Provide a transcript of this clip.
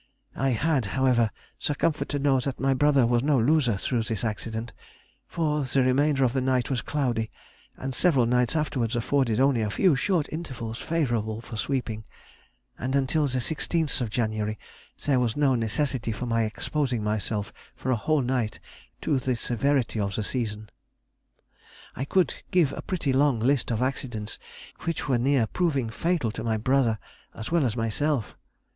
I had, however, the comfort to know that my brother was no loser through this accident, for the remainder of the night was cloudy, and several nights afterwards afforded only a few short intervals favourable for sweeping, and until the 16th January there was no necessity for my exposing myself for a whole night to the severity of the season. I could give a pretty long list of accidents which were near proving fatal to my brother as well as myself.